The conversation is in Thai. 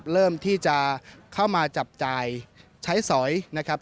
เริ่มที่จะเข้ามาจับจ่ายใช้สอยนะครับ